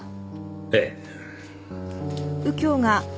ええ。